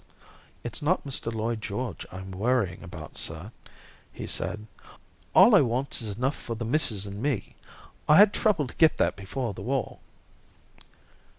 "It's not Mr. Lloyd George I'm worrying about, sir," he said, "all I wants is enough for the missus and me. I had trouble to get that before the war."